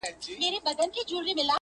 o ستا په سترگو کي سندري پيدا کيږي.